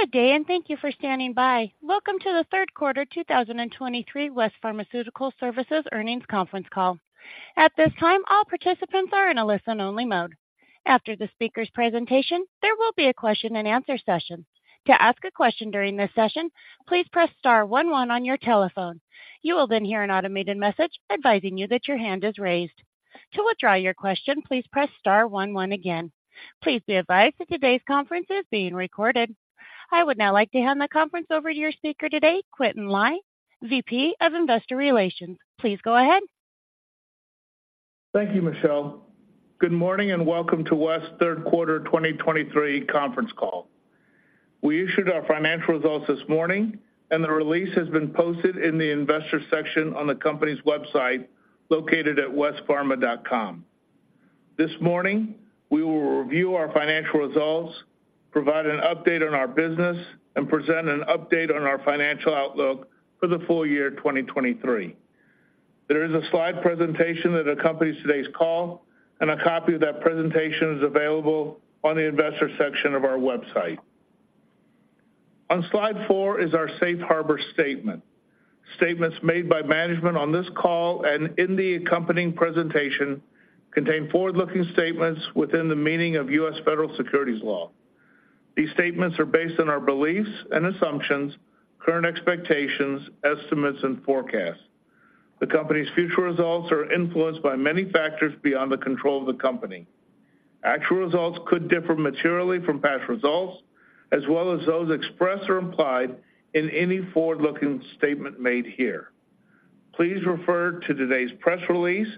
Good day, and thank you for standing by. Welcome to the third quarter 2023 West Pharmaceutical Services earnings conference call. At this time, all participants are in a listen-only mode. After the speaker's presentation, there will be a question-and-answer session. To ask a question during this session, please press star one one on your telephone. You will then hear an automated message advising you that your hand is raised. To withdraw your question, please press star one one again. Please be advised that today's conference is being recorded. I would now like to hand the conference over to your speaker today, Quintin Lai, VP of Investor Relations. Please go ahead. Thank you, Michelle. Good morning, and welcome to West's third quarter 2023 conference call. We issued our financial results this morning, and the release has been posted in the Investors section on the company's website, located at westpharma.com. This morning, we will review our financial results, provide an update on our business, and present an update on our financial outlook for the full year 2023. There is a slide presentation that accompanies today's call, and a copy of that presentation is available on the Investors section of our website. On slide 4 is our safe harbor statement. Statements made by management on this call and in the accompanying presentation contain forward-looking statements within the meaning of U.S. Federal Securities law. These statements are based on our beliefs and assumptions, current expectations, estimates, and forecasts. The company's future results are influenced by many factors beyond the control of the company. Actual results could differ materially from past results as well as those expressed or implied in any forward-looking statement made here. Please refer to today's press release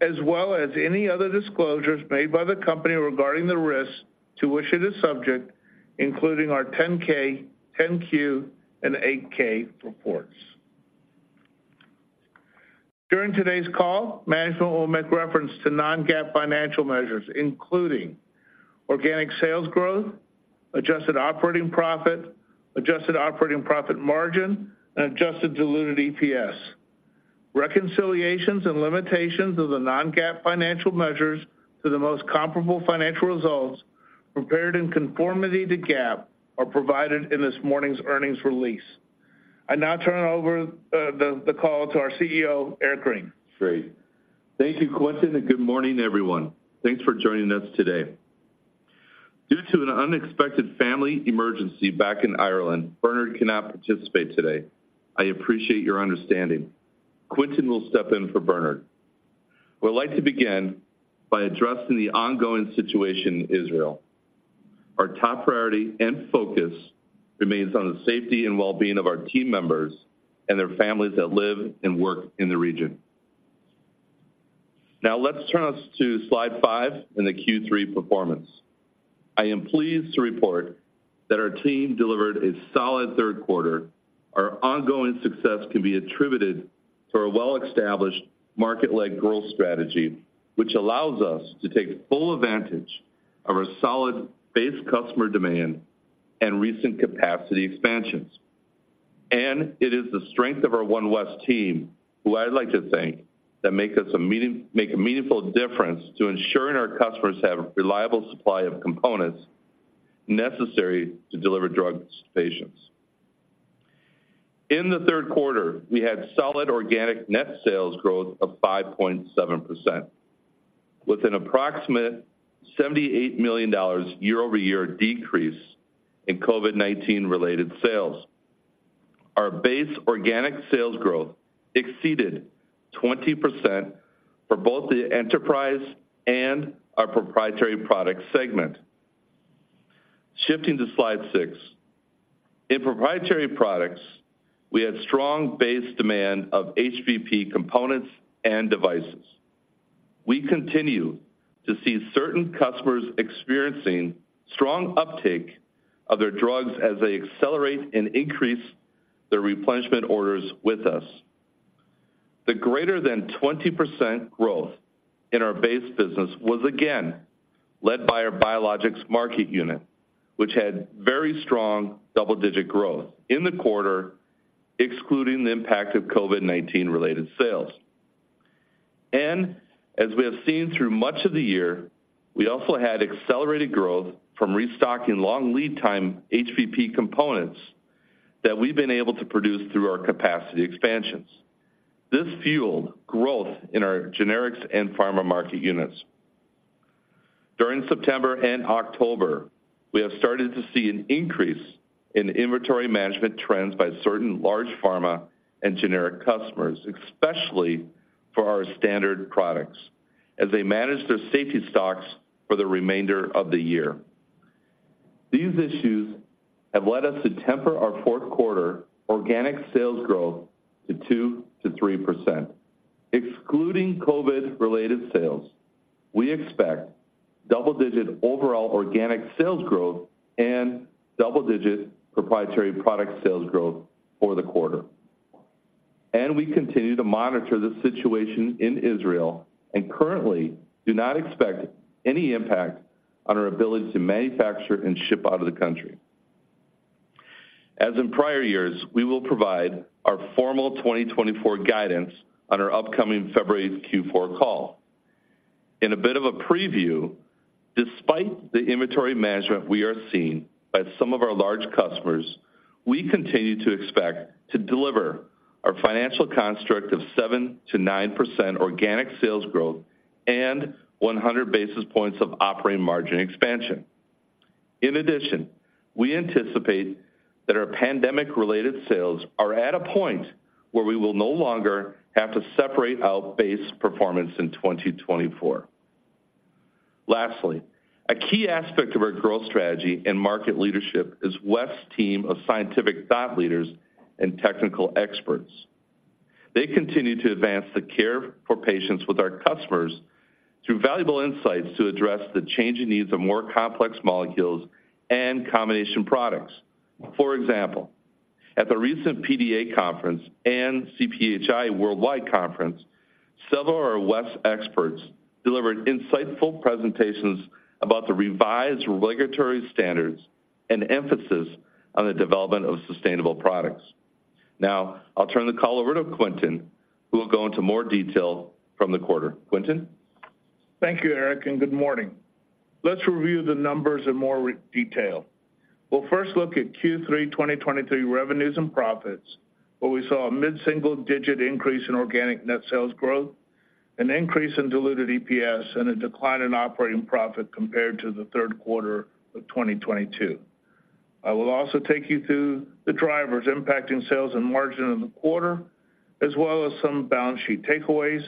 as well as any other disclosures made by the company regarding the risks to which it is subject, including our 10-K, 10-Q, and 8-K reports. During today's call, management will make reference to non-GAAP financial measures, including organic sales growth, adjusted operating profit, adjusted operating profit margin, and adjusted diluted EPS. Reconciliations and limitations of the non-GAAP financial measures to the most comparable financial results prepared in conformity to GAAP are provided in this morning's earnings release. I now turn over the call to our CEO, Eric Green. Great. Thank you, Quintin, and good morning, everyone. Thanks for joining us today. Due to an unexpected family emergency back in Ireland, Bernard cannot participate today. I appreciate your understanding. Quintin will step in for Bernard. We'd like to begin by addressing the ongoing situation in Israel. Our top priority and focus remains on the safety and well-being of our team members and their families that live and work in the region. Now, let's turn us to slide five and the Q3 performance. I am pleased to report that our team delivered a solid third quarter. Our ongoing success can be attributed to our well-established market-led growth strategy, which allows us to take full advantage of our solid base customer demand and recent capacity expansions. It is the strength of our one West team, who I'd like to thank, that make a meaningful difference to ensuring our customers have a reliable supply of components necessary to deliver drugs to patients. In the third quarter, we had solid organic net sales growth of 5.7%, with an approximate $78 million year-over-year decrease in COVID-19 related sales. Our base organic sales growth exceeded 20% for both the enterprise and our proprietary product segment. Shifting to slide 6. In proprietary products, we had strong base demand of HVP components and devices. We continue to see certain customers experiencing strong uptake of their drugs as they accelerate and increase their replenishment orders with us. The greater than 20% growth in our base business was again led by our biologics market unit, which had very strong double-digit growth in the quarter, excluding the impact of COVID-19-related sales. As we have seen through much of the year, we also had accelerated growth from restocking long lead time HVP components that we've been able to produce through our capacity expansions. This fueled growth in our generics and pharma market units. During September and October, we have started to see an increase in inventory management trends by certain large pharma and generic customers, especially for our standard products, as they manage their safety stocks for the remainder of the year. These issues have led us to temper our fourth quarter organic sales growth to 2%-3%. Excluding COVID-related sales, we expect double-digit overall organic sales growth and double-digit proprietary product sales growth for the quarter. We continue to monitor the situation in Israel and currently do not expect any impact on our ability to manufacture and ship out of the country. As in prior years, we will provide our formal 2024 guidance on our upcoming February Q4 call. In a bit of a preview, despite the inventory management we are seeing by some of our large customers, we continue to expect to deliver our financial construct of 7%-9% organic sales growth and 100 basis points of operating margin expansion. In addition, we anticipate that our pandemic-related sales are at a point where we will no longer have to separate out base performance in 2024. Lastly, a key aspect of our growth strategy and market leadership is West's team of scientific thought leaders and technical experts. They continue to advance the care for patients with our customers through valuable insights to address the changing needs of more complex molecules and combination products. For example, at the recent PDA conference and CPHI Worldwide Conference, several of our West experts delivered insightful presentations about the revised regulatory standards and emphasis on the development of sustainable products. Now, I'll turn the call over to Quintin, who will go into more detail from the quarter. Quintin? Thank you, Eric, and good morning. Let's review the numbers in more detail. We'll first look at Q3 2023 revenues and profits, where we saw a mid-single-digit increase in organic net sales growth, an increase in diluted EPS, and a decline in operating profit compared to the third quarter of 2022. I will also take you through the drivers impacting sales and margin in the quarter, as well as some balance sheet takeaways,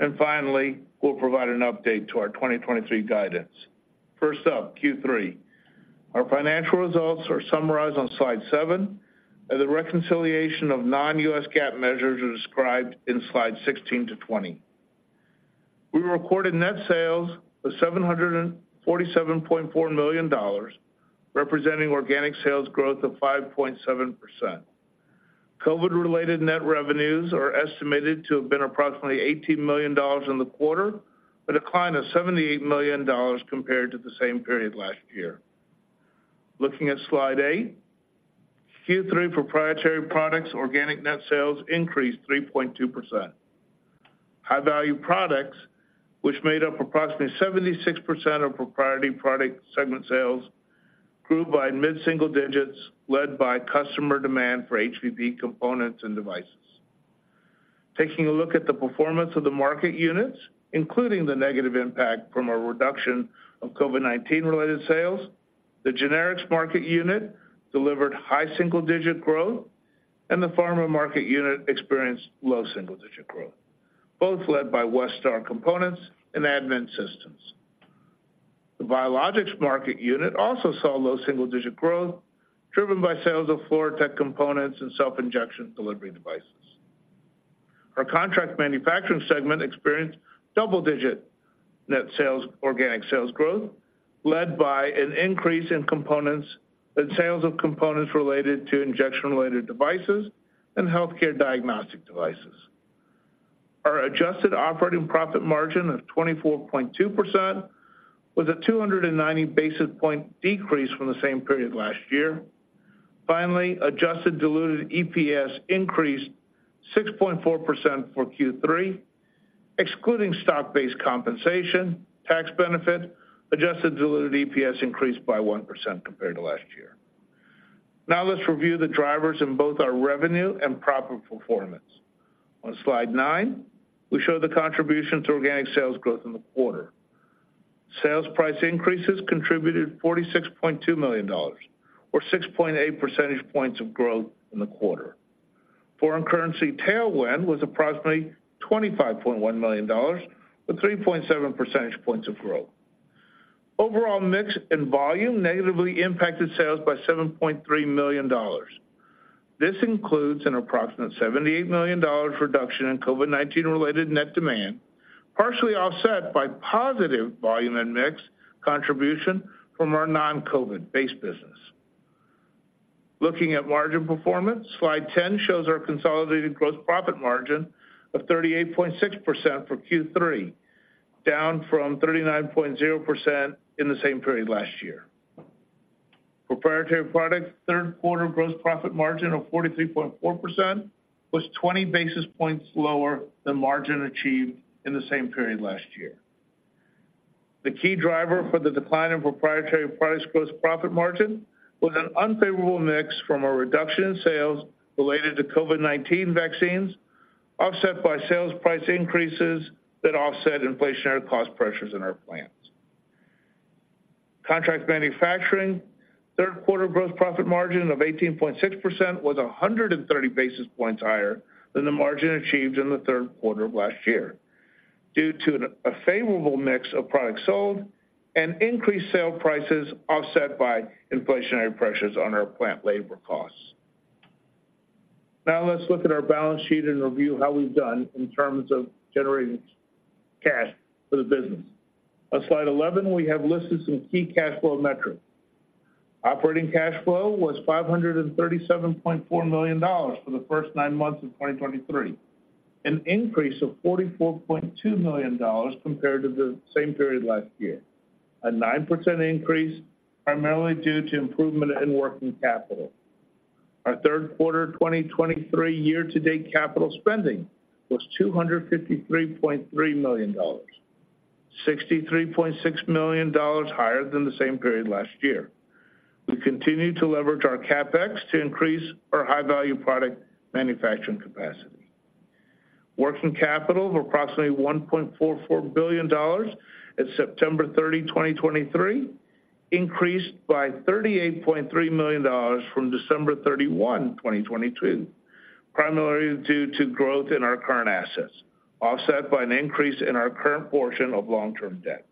and finally, we'll provide an update to our 2023 guidance. First up, Q3. Our financial results are summarized on slide 7, and the reconciliation of non-GAAP measures are described in slide 16 to 20. We recorded net sales of $747.4 million, representing organic sales growth of 5.7%. COVID-related net revenues are estimated to have been approximately $18 million in the quarter, a decline of $78 million compared to the same period last year. Looking at slide 8, Q3 proprietary products, organic net sales increased 3.2%. High-value products, which made up approximately 76% of proprietary product segment sales, grew by mid-single digits, led by customer demand for HVP components and devices. Taking a look at the performance of the market units, including the negative impact from a reduction of COVID-19-related sales, the generics market unit delivered high single-digit growth, and the pharma market unit experienced low single-digit growth, both led by Westar components and admin systems. The Biologics market unit also saw low single-digit growth, driven by sales of FluroTec components and self-injection delivery devices. Our contract manufacturing segment experienced double-digit net sales, organic sales growth, led by an increase in components and sales of components related to injection-related devices and healthcare diagnostic devices. Our adjusted operating profit margin of 24.2% was a 290 basis point decrease from the same period last year. Finally, adjusted diluted EPS increased 6.4% for Q3, excluding stock-based compensation, tax benefit, adjusted diluted EPS increased by 1% compared to last year. Now, let's review the drivers in both our revenue and profit performance. On slide 9, we show the contribution to organic sales growth in the quarter. Sales price increases contributed $46.2 million, or 6.8 percentage points of growth in the quarter. Foreign currency tailwind was approximately $25.1 million, with 3.7 percentage points of growth. Overall mix and volume negatively impacted sales by $7.3 million. This includes an approximate $78 million reduction in COVID-19 related net demand, partially offset by positive volume and mix contribution from our non-COVID-based business. Looking at margin performance, slide 10 shows our consolidated gross profit margin of 38.6% for Q3, down from 39.0% in the same period last year. Proprietary products, third quarter gross profit margin of 43.4% was 20 basis points lower than margin achieved in the same period last year. The key driver for the decline in proprietary products gross profit margin was an unfavorable mix from a reduction in sales related to COVID-19 vaccines, offset by sales price increases that offset inflationary cost pressures in our plants. Contract manufacturing, third quarter gross profit margin of 18.6% was 130 basis points higher than the margin achieved in the third quarter of last year, due to a favorable mix of products sold and increased sale prices offset by inflationary pressures on our plant labor costs. Now let's look at our balance sheet and review how we've done in terms of generating cash for the business. On slide 11, we have listed some key cash flow metrics. Operating cash flow was $537.4 million for the first nine months of 2023, an increase of $44.2 million compared to the same period last year. A 9% increase, primarily due to improvement in working capital. Our third quarter 2023 year-to-date capital spending was $253.3 million, $63.6 million higher than the same period last year. We continue to leverage our CapEx to increase our high-value product manufacturing capacity. Working capital of approximately $1.44 billion at September 30, 2023, increased by $38.3 million from December 31, 2022, primarily due to growth in our current assets, offset by an increase in our current portion of long-term debt.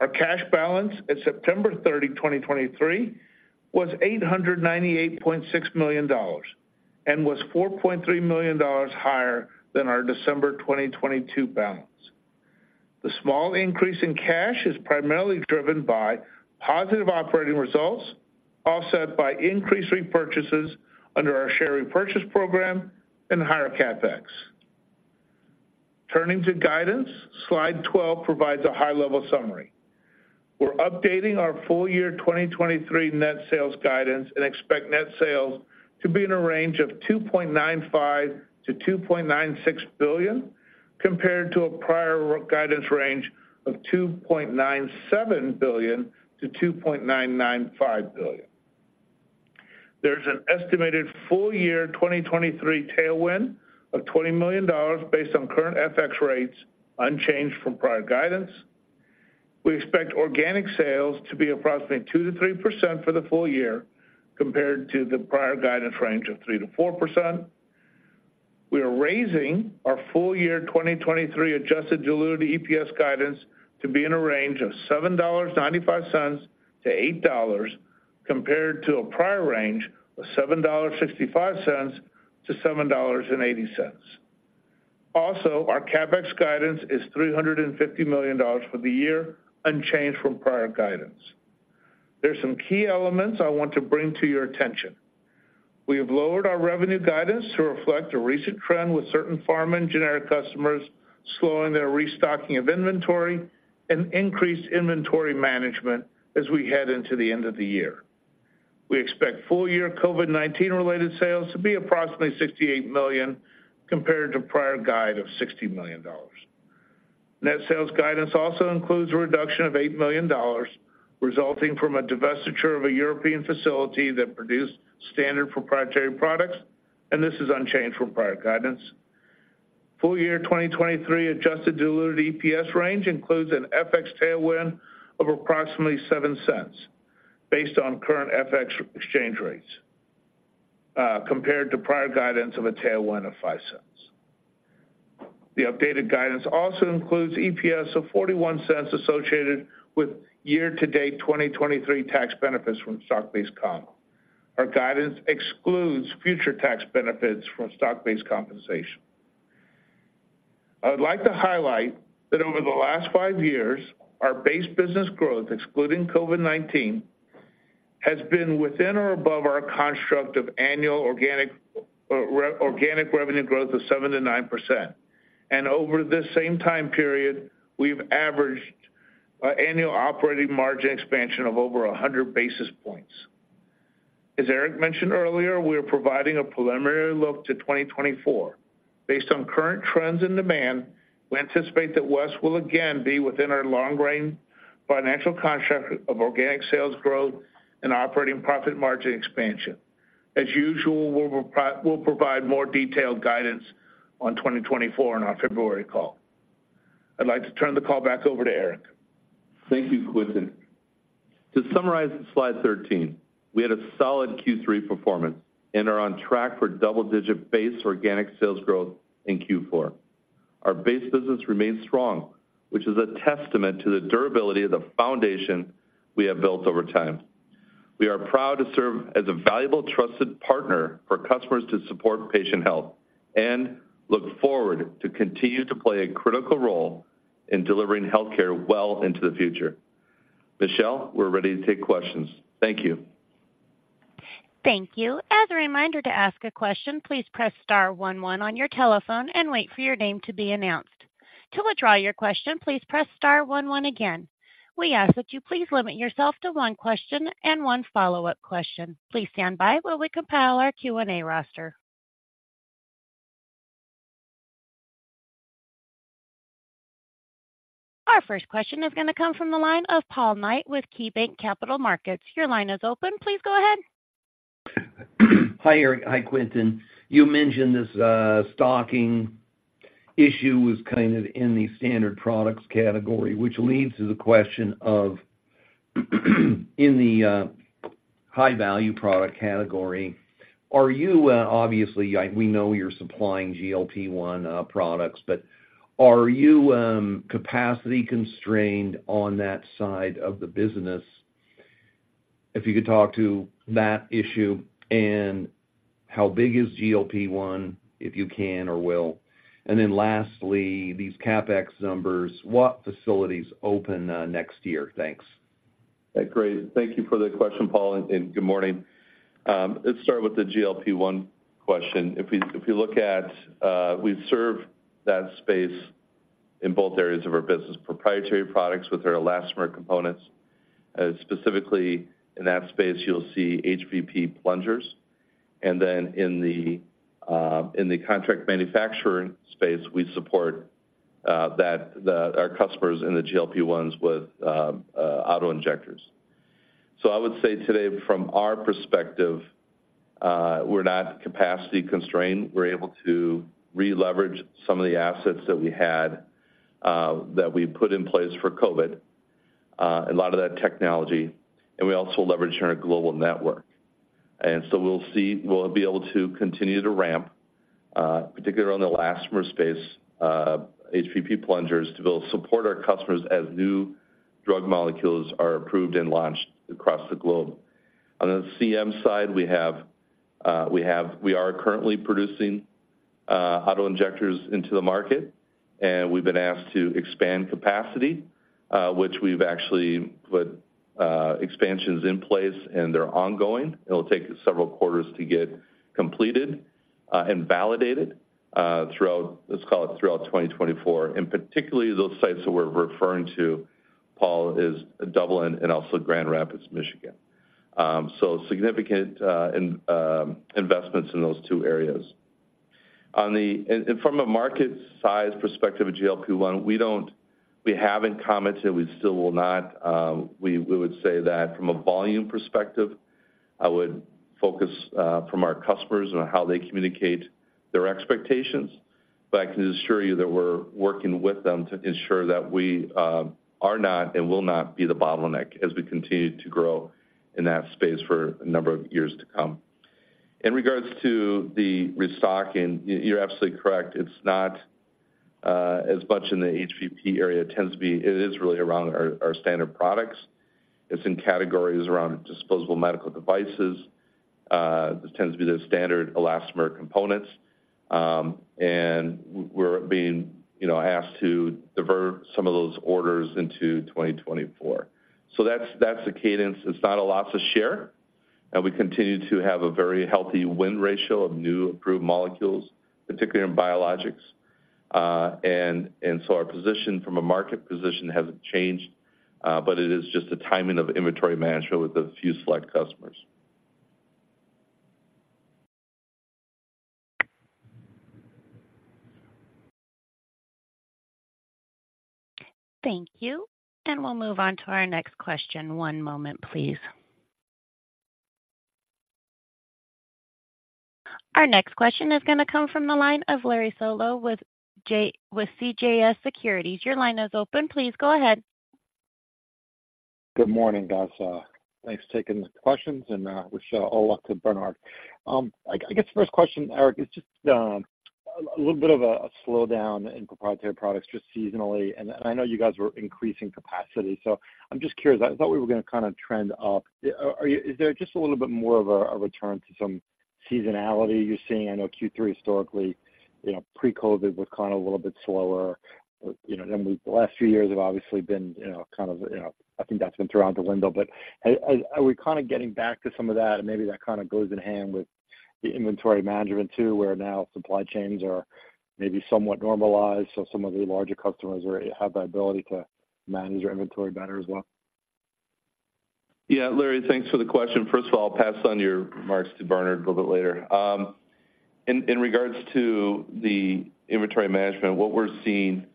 Our cash balance at September 30, 2023, was $898.6 million and was $4.3 million higher than our December 2022 balance. The small increase in cash is primarily driven by positive operating results, offset by increased repurchases under our share repurchase program and higher CapEx. Turning to guidance, slide 12 provides a high-level summary. We're updating our full-year 2023 net sales guidance and expect net sales to be in a range of $2.95-$2.96 billion, compared to a prior guidance range of $2.97 billion-$2.995 billion. There's an estimated full-year 2023 tailwind of $20 million based on current FX rates, unchanged from prior guidance. We expect organic sales to be approximately 2%-3% for the full year, compared to the prior guidance range of 3%-4%. We are raising our full-year 2023 adjusted diluted EPS guidance to be in a range of $7.95-$8, compared to a prior range of $7.65-$7.80. Also, our CapEx guidance is $350 million for the year, unchanged from prior guidance. There are some key elements I want to bring to your attention. We have lowered our revenue guidance to reflect a recent trend with certain pharma and generic customers slowing their restocking of inventory and increased inventory management as we head into the end of the year. We expect full-year COVID-19-related sales to be approximately $68 million, compared to prior guide of $60 million. Net sales guidance also includes a reduction of $8 million, resulting from a divestiture of a European facility that produced standard proprietary products, and this is unchanged from prior guidance. Full year 2023 adjusted diluted EPS range includes an FX tailwind of approximately $0.07 based on current FX exchange rates, compared to prior guidance of a tailwind of $0.05. The updated guidance also includes EPS of $0.41 associated with year-to-date 2023 tax benefits from stock-based comp. Our guidance excludes future tax benefits from stock-based compensation. I would like to highlight that over the last 5 years, our base business growth, excluding COVID-19, has been within or above our construct of annual organic revenue growth of 7%-9%. Over this same time period, we've averaged annual operating margin expansion of over 100 basis points. As Eric mentioned earlier, we are providing a preliminary look to 2024. Based on current trends and demand, we anticipate that West will again be within our long-range financial construct of organic sales growth and operating profit margin expansion. As usual, we'll provide more detailed guidance on 2024 on our February call. I'd like to turn the call back over to Eric. Thank you, Quintin. To summarize slide 13, we had a solid Q3 performance and are on track for double-digit base organic sales growth in Q4. Our base business remains strong, which is a testament to the durability of the foundation we have built over time. We are proud to serve as a valuable, trusted partner for customers to support patient health and look forward to continue to play a critical role in delivering healthcare well into the future. Michelle, we're ready to take questions. Thank you. Thank you. As a reminder to ask a question, please press star one one on your telephone and wait for your name to be announced. To withdraw your question, please press star one one again. We ask that you please limit yourself to one question and one follow-up question. Please stand by while we compile our Q&A roster. Our first question is going to come from the line of Paul Knight with KeyBanc Capital Markets. Your line is open. Please go ahead. Hi, Eric. Hi, Quintin. You mentioned this stocking issue was kind of in the standard products category, which leads to the question of, in the high-value product category, are you obviously we know you're supplying GLP-1 products, but are you capacity constrained on that side of the business? If you could talk to that issue and how big is GLP-1, if you can or will. And then lastly, these CapEx numbers, what facilities open next year? Thanks. Great. Thank you for the question, Paul, and good morning. Let's start with the GLP-1 question. If you look at, we serve that space in both areas of our business, proprietary products with our elastomer components. Specifically in that space, you'll see HVP plungers, and then in the contract manufacturing space, we support our customers in the GLP-1s with auto-injectors. So I would say today, from our perspective, we're not capacity constrained. We're able to re-leverage some of the assets that we had that we put in place for COVID, a lot of that technology, and we also leverage on our global network. And so we'll see we'll be able to continue to ramp, particularly on the elastomer space, HVP plungers, to build support our customers as new drug molecules are approved and launched across the globe. On the CM side, we have we are currently producing auto-injectors into the market, and we've been asked to expand capacity, which we've actually put expansions in place and they're ongoing. It'll take several quarters to get completed and validated throughout, let's call it throughout 2024. And particularly, those sites that we're referring to, Paul, is Dublin and also Grand Rapids, Michigan. So significant investments in those two areas. And from a market size perspective of GLP-1, we haven't commented, we still will not. We would say that from a volume perspective, I would focus from our customers on how they communicate their expectations. But I can assure you that we're working with them to ensure that we are not and will not be the bottleneck as we continue to grow in that space for a number of years to come. In regards to the restocking, you're absolutely correct. It's not as much in the HVP area. It tends to be it is really around our standard products. It's in categories around disposable medical devices. This tends to be the standard elastomer components. And we're being, you know, asked to divert some of those orders into 2024. So that's the cadence. It's not a lot to share, and we continue to have a very healthy win ratio of new approved molecules, particularly in biologics. And so our position from a market position hasn't changed, but it is just a timing of inventory management with a few select customers. Thank you. We'll move on to our next question. One moment, please. Our next question is going to come from the line of Larry Solow with CJS Securities. Your line is open. Please go ahead. Good morning, guys. Thanks for taking the questions, and wish all luck to Bernard. I guess the first question, Eric, is just a little bit of a slowdown in proprietary products just seasonally, and I know you guys were increasing capacity, so I'm just curious. I thought we were going to kind of trend up. Is there just a little bit more of a return to some seasonality you're seeing? I know Q3 historically, you know, pre-COVID was kind of a little bit slower. You know, then the last few years have obviously been, you know, kind of, you know, I think that's been thrown out the window. But are we kind of getting back to some of that? Maybe that kind of goes hand in hand with the inventory management, too, where now supply chains are maybe somewhat normalized, so some of the larger customers have the ability to manage their inventory better as well. Yeah, Larry, thanks for the question. First of all, I'll pass on your remarks to Bernard a little bit later. In regards to the inventory management, what we're seeing,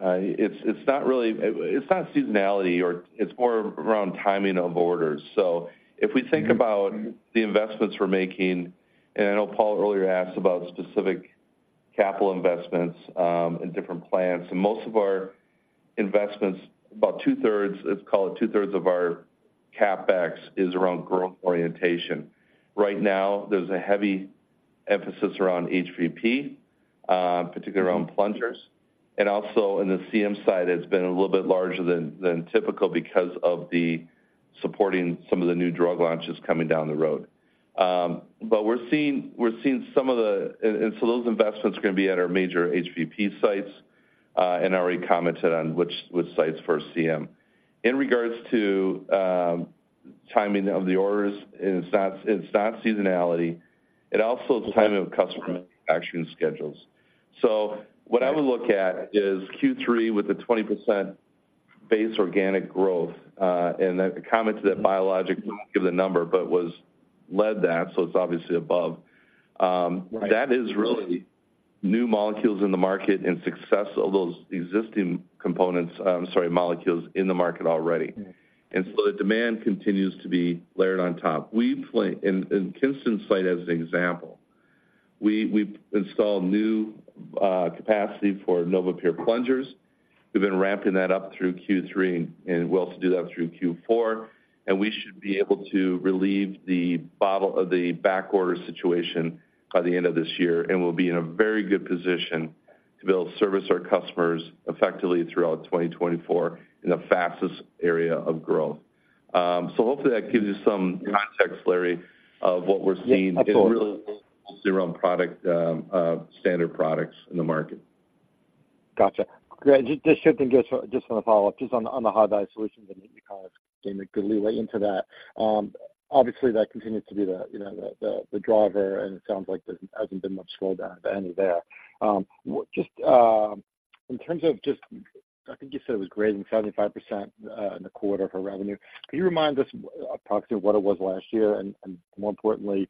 it's not really - it's not seasonality or... it's more around timing of orders. So if we think about the investments we're making, and I know Paul earlier asked about specific capital investments in different plants, and most of our investments, about two-thirds, let's call it two-thirds of our CapEx, is around growth orientation. Right now, there's a heavy emphasis around HVP, particularly around plungers, and also in the CM side, it's been a little bit larger than typical because of the supporting some of the new drug launches coming down the road. But we're seeing, we're seeing some of the-- and, and so those investments are going to be at our major HVP sites, and I already commented on which, which sites for CM. In regards to, timing of the orders, it's not, it's not seasonality. It also is timing of customer manufacturing schedules. So what I would look at is Q3 with the 20% base organic growth, and the comments that biologics give the number, but was led that, so it's obviously above. Right. that is really new molecules in the market and success of those existing components, sorry, molecules in the market already. Yeah. So the demand continues to be layered on top. We plan in the Kinston site, as an example, we, we've installed new capacity for NovaPure plungers. We've been ramping that up through Q3, and we'll also do that through Q4, and we should be able to relieve the bottleneck of the backorder situation by the end of this year. We'll be in a very good position to be able to service our customers effectively throughout 2024 in the fastest area of growth. So hopefully that gives you some context, Larry, of what we're seeing around product, standard products in the market. Got you. Great. Just something I want to follow up on the HVP solution that you came a good way into that. Obviously, that continues to be, you know, the driver, and it sounds like there hasn't been much slowdown to any there. In terms of, I think you said it was greater than 75% in the quarter for revenue. Can you remind us approximately what it was last year? And more importantly,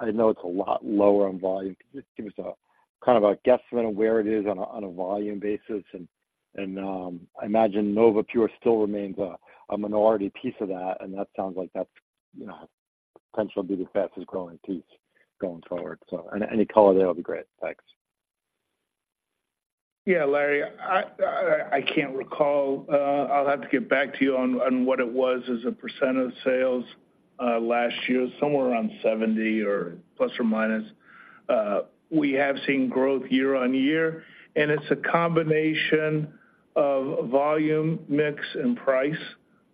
I know it's a lot lower on volume. Can you give us a kind of a guesstimate of where it is on a volume basis? And I imagine NovaPure still remains a minority piece of that, and that sounds like that's, you know, potential to be the fastest-growing piece going forward. Any color there will be great. Thanks. Yeah, Larry, I can't recall. I'll have to get back to you on what it was as a % of sales, last year, somewhere around 70 or plus or minus. We have seen growth year-over-year, and it's a combination of volume, mix, and price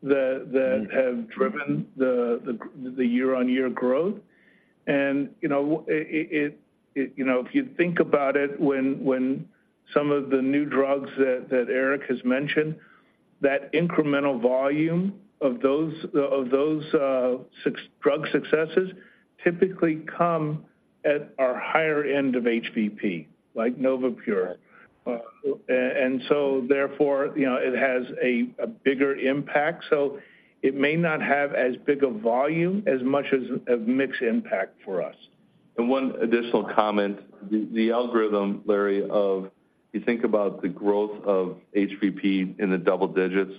that have driven the year-on-year growth. And, you know, if you think about it, when some of the new drugs that Eric has mentioned, that incremental volume of those such drug successes typically come at our higher end of HVP, like NovaPure. And so therefore, you know, it has a bigger impact, so it may not have as big a volume, as much as a mix impact for us. One additional comment, the algorithm, Larry, if you think about the growth of HVP in the double digits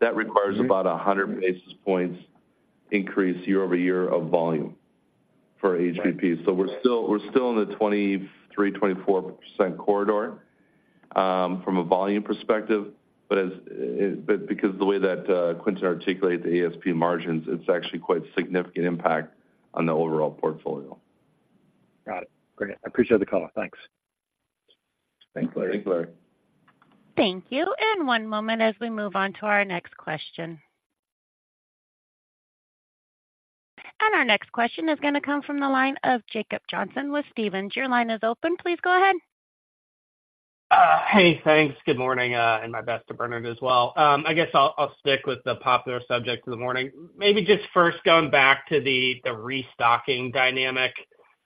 that requires about 100 basis points increase year-over-year of volume for HVP. Right. So we're still, we're still in the 23%-24% corridor from a volume perspective, but because the way that Quintin articulated the ASP margins, it's actually quite significant impact on the overall portfolio. Got it. Great. I appreciate the call. Thanks. Thanks, Larry. Thanks, Larry. Thank you, one moment as we move on to our next question. Our next question is gonna come from the line of Jacob Johnson with Stephens. Your line is open. Please go ahead. Hey, thanks. Good morning, and my best to Bernard as well. I guess I'll stick with the popular subject of the morning. Maybe just first going back to the restocking dynamic.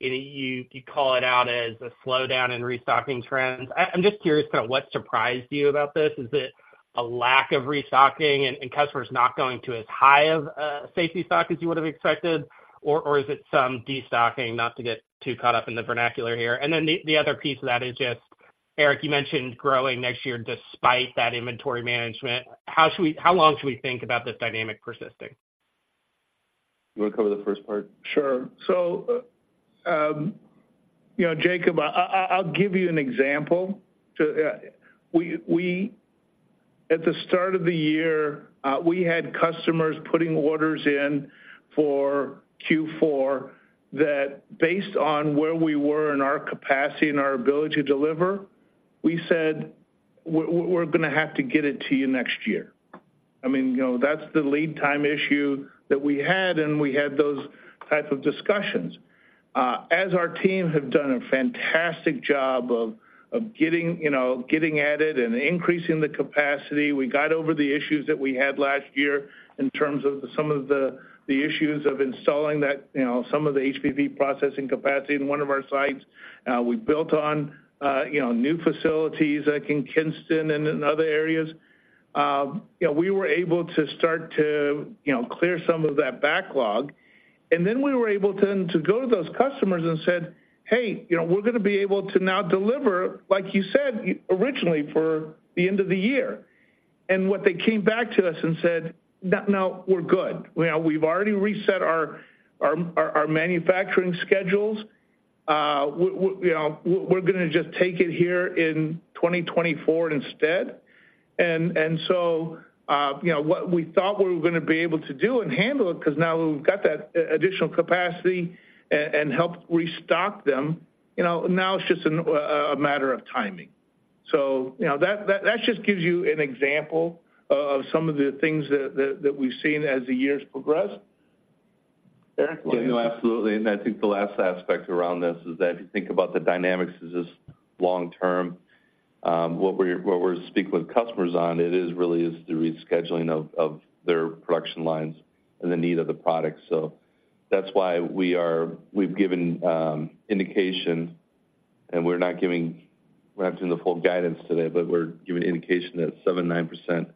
You call it out as a slowdown in restocking trends. I'm just curious kind of what surprised you about this. Is it a lack of restocking and customers not going to as high of a safety stock as you would have expected? Or is it some destocking, not to get too caught up in the vernacular here. And then the other piece of that is just, Eric, you mentioned growing next year despite that inventory management. How should we, how long should we think about this dynamic persisting? You want to cover the first part? Sure. You know, Jacob, I'll give you an example. We, at the start of the year, we had customers putting orders in for Q4 that, based on where we were in our capacity and our ability to deliver, we said, "We're gonna have to get it to you next year." I mean, you know, that's the lead time issue that we had, and we had those types of discussions. As our team have done a fantastic job of getting, you know, getting at it and increasing the capacity, we got over the issues that we had last year in terms of some of the issues of installing that, you know, some of the HVP processing capacity in one of our sites. We built on new facilities like in Kinston and in other areas. You know, we were able to start to clear some of that backlog, and then we were able to go to those customers and said, "Hey, you know, we're gonna be able to now deliver, like you said, originally, for the end of the year." And what they came back to us and said, "No, no, we're good. You know, we've already reset our manufacturing schedules. You know, we're gonna just take it here in 2024 instead." And so, you know, what we thought we were gonna be able to do and handle it, because now we've got that additional capacity and helped restock them, you know, now it's just a matter of timing. So, you know, that just gives you an example of some of the things that we've seen as the years progressed. Eric? Yeah, absolutely. I think the last aspect around this is that if you think about the dynamics as this long term, what we're speaking with customers on, it really is the rescheduling of their production lines and the need of the product. That's why we've given indication, and we're not doing the full guidance today, but we're giving indication that 7%-9%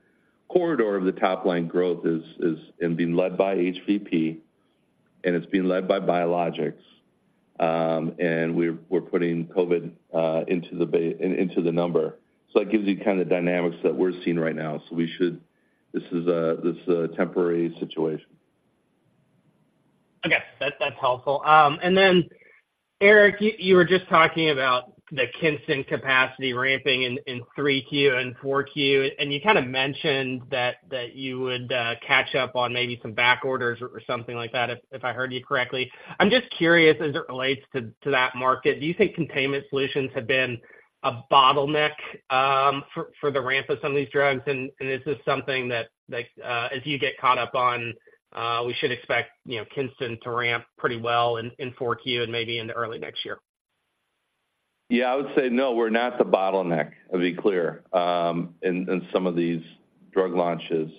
corridor of the top line growth is being led by HVP, and it's being led by biologics. We're putting COVID into the number. That gives you kind of the dynamics that we're seeing right now. We should, this is a temporary situation. Okay. That's, that's helpful. And then, Eric, you, you were just talking about the Kinston capacity ramping in 3Q and 4Q, and you kind of mentioned that, that you would catch up on maybe some back orders or something like that, if, if I heard you correctly. I'm just curious, as it relates to, to that market, do you think containment solutions have been a bottleneck for, for the ramp of some of these drugs? And, and is this something that, like, as you get caught up on, we should expect, you know, Kinston to ramp pretty well in 4Q and maybe into early next year? Yeah, I would say, no, we're not the bottleneck, to be clear, in some of these drug launches.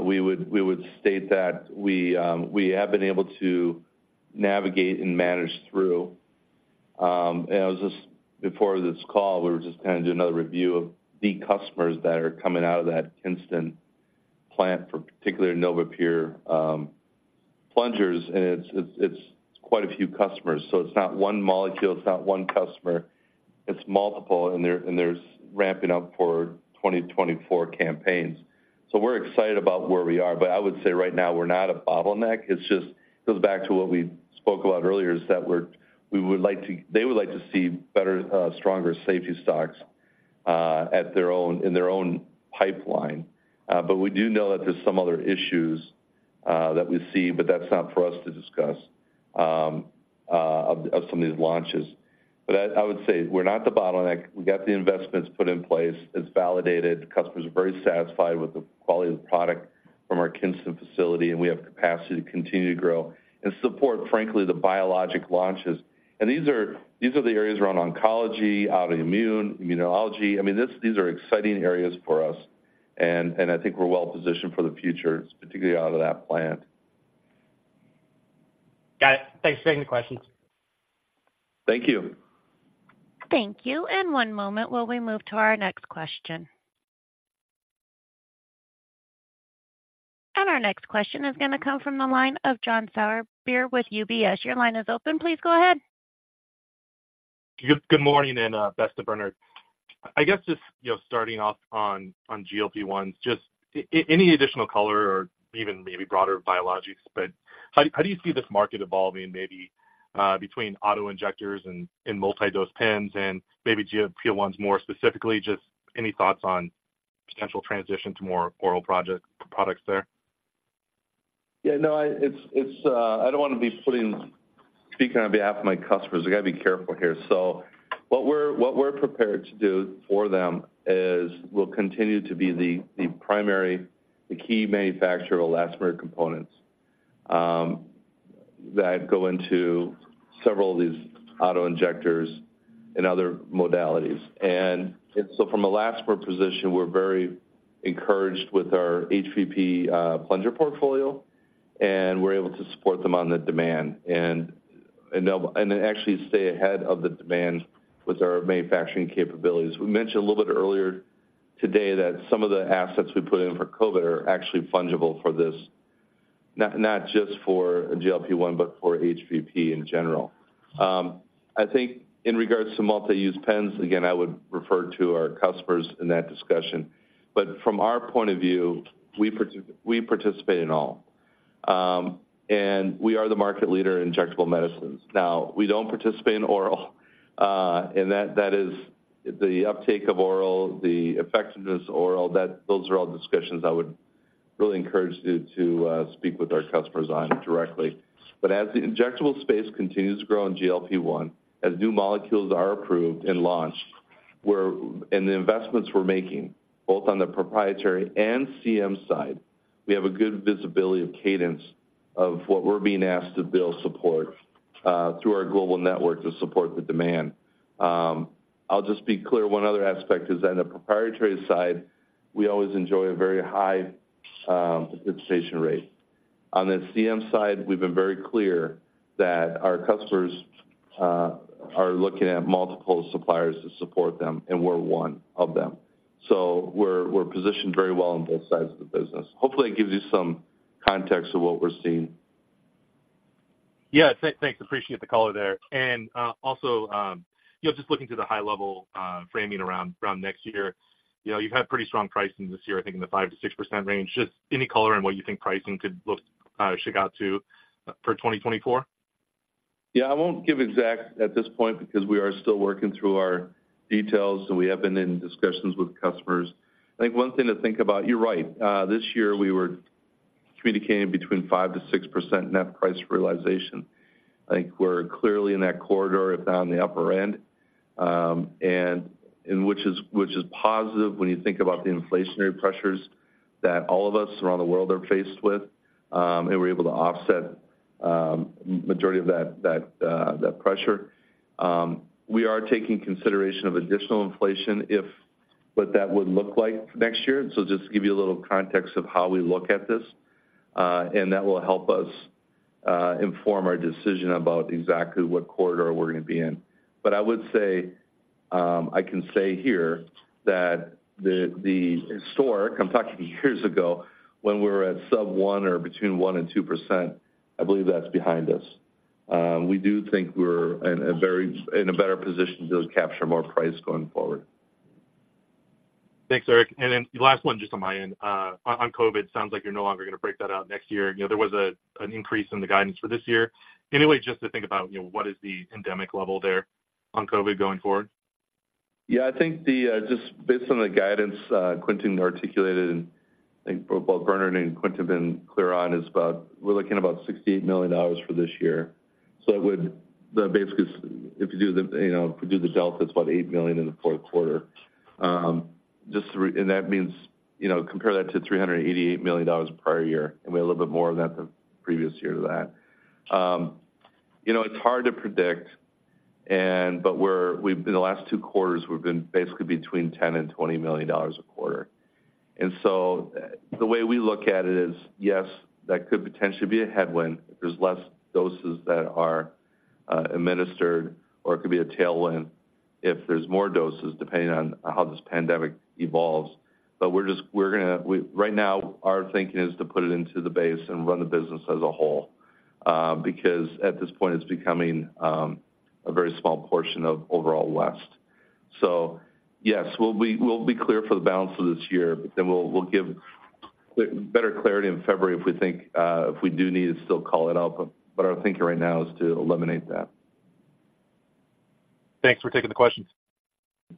We would state that we have been able to navigate and manage through. And I was just before this call, we were just kind of doing another review of the customers that are coming out of that Kinston plant, for particular NovaPure plungers, and it's quite a few customers. So it's not one molecule, it's not one customer, it's multiple, and there's ramping up for 2024 campaigns. So we're excited about where we are, but I would say right now, we're not a bottleneck. It just goes back to what we spoke about earlier, is that we're, we would like to, they would like to see better, stronger safety stocks at their own, in their own pipeline. But we do know that there's some other issues that we see, but that's not for us to discuss, of some of these launches. But I would say we're not the bottleneck. We got the investments put in place. It's validated. The customers are very satisfied with the quality of the product from our Kinston facility, and we have capacity to continue to grow and support, frankly, the biologics launches. And these are the areas around oncology, autoimmune, immunology. I mean, these are exciting areas for us, and I think we're well positioned for the future, particularly out of that plant. Got it. Thanks for taking the questions. Thank you. Thank you. In one moment, while we move to our next question. Our next question is going to come from the line of John Sourbeer with UBS. Your line is open. Please go ahead. Good, good morning, and best to Bernard. I guess just, you know, starting off on GLP-1s, just any additional color or even maybe broader biologics, but how do you see this market evolving, maybe between auto-injectors and multi-dose pens and maybe GLP-1s more specifically, just any thoughts on potential transition to more oral products there? Yeah, no, it's. I don't want to be speaking on behalf of my customers. I got to be careful here. So what we're prepared to do for them is we'll continue to be the primary, the key manufacturer of elastomer components that go into several of these auto-injectors and other modalities. And so from a elastomer position, we're very encouraged with our HVP plunger portfolio, and we're able to support them on the demand and actually stay ahead of the demand with our manufacturing capabilities. We mentioned a little bit earlier today that some of the assets we put in for COVID are actually fungible for this, not just for GLP-1, but for HVP in general. I think in regards to multi-use pens, again, I would refer to our customers in that discussion. But from our point of view, we participate in all, and we are the market leader in injectable medicines. Now, we don't participate in oral, and that is the uptake of oral, the effectiveness of oral, those are all discussions I would really encourage you to speak with our customers on directly. But as the injectable space continues to grow in GLP-1, as new molecules are approved and launched, and the investments we're making, both on the proprietary and CM side, we have a good visibility of cadence of what we're being asked to build support through our global network to support the demand. I'll just be clear, one other aspect is on the proprietary side, we always enjoy a very high participation rate. On the CM side, we've been very clear that our customers are looking at multiple suppliers to support them, and we're one of them. We're positioned very well on both sides of the business. Hopefully, it gives you some context of what we're seeing. Yeah. Thanks. Appreciate the color there. And also, you know, just looking to the high level framing around next year, you know, you've had pretty strong pricing this year, I think in the 5%-6% range. Just any color on what you think pricing could look shake out to for 2024? Yeah. I won't give exact at this point because we are still working through our details, and we have been in discussions with customers. I think one thing to think about, you're right. This year we were communicating between 5%-6% net price realization. I think we're clearly in that corridor, if not on the upper end, and which is positive when you think about the inflationary pressures that all of us around the world are faced with, and we're able to offset majority of that pressure. We are taking consideration of additional inflation if what that would look like next year. So just to give you a little context of how we look at this, and that will help us inform our decision about exactly what corridor we're going to be in. I would say, I can say here that the historic, I'm talking years ago, when we were at sub 1 or between 1 and 2%, I believe that's behind us. We do think we're in a very in a better position to capture more price going forward. Thanks, Eric. And then the last one, just on my end, on COVID, sounds like you're no longer going to break that out next year. You know, there was an increase in the guidance for this year. Anyway, just to think about, you know, what is the endemic level there on COVID going forward? Yeah, I think just based on the guidance Quintin articulated, and I think both Bernard and Quintin have been clear on, is about—we're looking about $68 million for this year. So it would—the basically, if you do the, you know, if you do the delta, it's about $8 million in the fourth quarter. And that means, you know, compare that to $388 million prior year, and we had a little bit more of that the previous year to that. You know, it's hard to predict, and but we're—we've—in the last two quarters, we've been basically between $10 million and $20 million a quarter. And so the way we look at it is, yes, that could potentially be a headwind if there's less doses that are administered, or it could be a tailwind if there's more doses, depending on how this pandemic evolves. But we're gonna right now, our thinking is to put it into the base and run the business as a whole, because at this point, it's becoming a very small portion of overall West. So yes, we'll be, we'll be clear for the balance of this year, but then we'll give better clarity in February if we think if we do need to still call it out. But our thinking right now is to eliminate that. Thanks for taking the questions.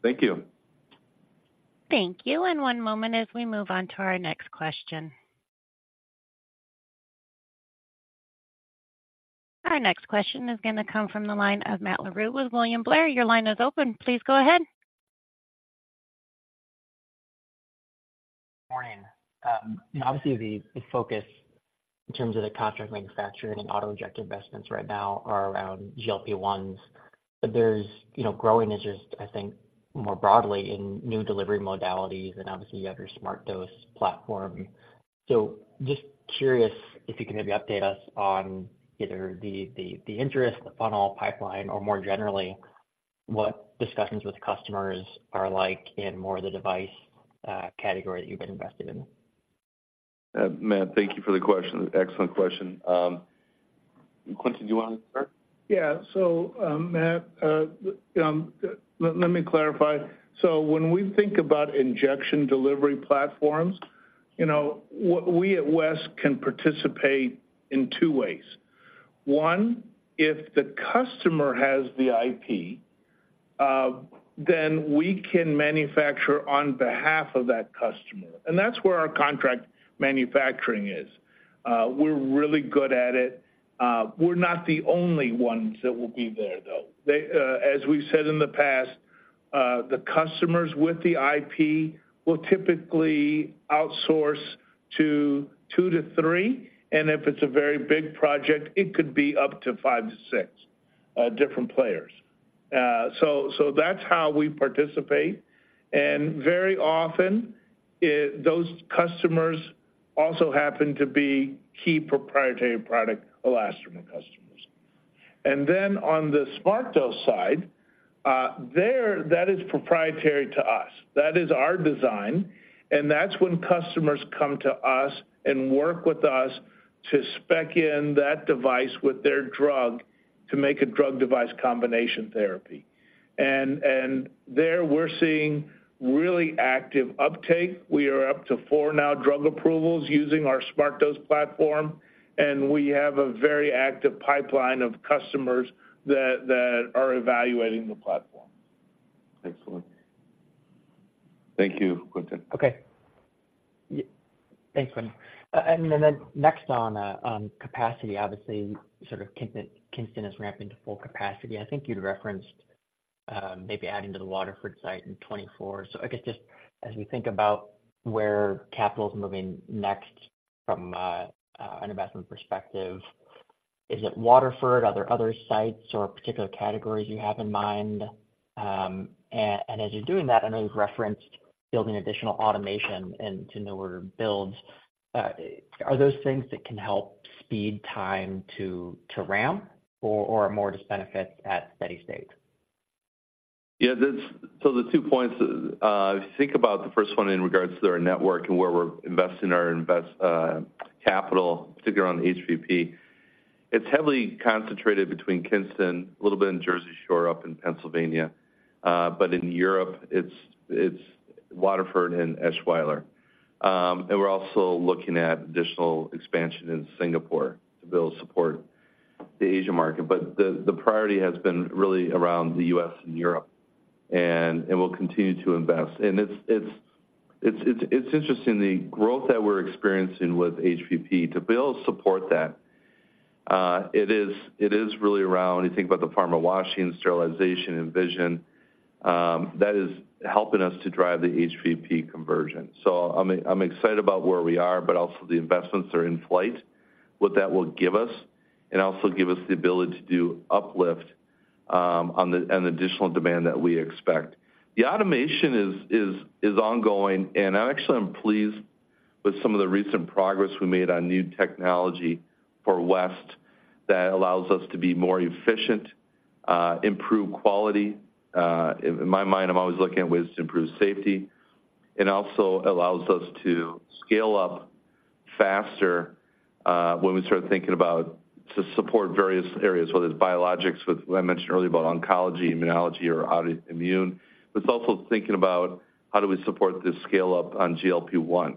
Thank you. Thank you. One moment as we move on to our next question. Our next question is going to come from the line of Matt Larew with William Blair. Your line is open. Please go ahead. Morning. Obviously, the focus in terms of the contract manufacturing and auto-injector investments right now are around GLP-1s. But there's, you know, growing interest, I think, more broadly in new delivery modalities, and obviously, you have your SmartDose platform. So just curious if you can maybe update us on either the interest, the funnel pipeline, or more generally, what discussions with customers are like in more of the device category that you've been invested in. Matt, thank you for the question. Excellent question. Quintin, do you want to start? Yeah. So, Matt, let me clarify. So when we think about injection delivery platforms, you know, what we at West can participate in two ways. One, if the customer has the IP, then we can manufacture on behalf of that customer, and that's where our contract manufacturing is. We're really good at it. We're not the only ones that will be there, though. They, as we've said in the past, the customers with the IP will typically outsource to 2-3, and if it's a very big project, it could be up to 5-6 different players. So, so that's how we participate. And very often, those customers also happen to be key proprietary product elastomer customers. And then on the SmartDose side, that is proprietary to us. That is our design, and that's when customers come to us and work with us to spec in that device with their drug to make a drug device combination therapy. And there, we're seeing really active uptake. We are up to four now drug approvals using our SmartDose platform, and we have a very active pipeline of customers that are evaluating the platform. Excellent. Thank you, Quintin. Okay. Thanks, Quintin. And then next on capacity, obviously, sort of Kinston is ramping to full capacity. I think you'd referenced maybe adding to the Waterford site in 2024. So I guess, just as we think about where capital is moving next from an investment perspective, is it Waterford? Are there other sites or particular categories you have in mind? And as you're doing that, I know you've referenced building additional automation into newer builds. Are those things that can help speed time to ramp or more just benefits at steady state? Yeah, that's so the two points, if you think about the first one in regards to our network and where we're investing our capital, particularly on HVP, it's heavily concentrated between Kinston, a little bit in Jersey Shore, up in Pennsylvania, but in Europe, it's Waterford and Eschweiler. And we're also looking at additional expansion in Singapore to build support the Asia market. But the priority has been really around the U.S., and Europe, and we'll continue to invest. And it's interesting, the growth that we're experiencing with HVP, to be able to support that, it is really around, you think about the pharma washing, sterilization, and vision, that is helping us to drive the HVP conversion. So I'm excited about where we are, but also the investments are in flight, what that will give us, and also give us the ability to do uplift, and additional demand that we expect. The automation is ongoing, and actually, I'm pleased with some of the recent progress we made on new technology for West that allows us to be more efficient, improve quality. In my mind, I'm always looking at ways to improve safety. It also allows us to scale up faster, when we start thinking about to support various areas, whether it's biologics, with I mentioned earlier about oncology, immunology, or autoimmune. But it's also thinking about how do we support this scale-up on GLP-1.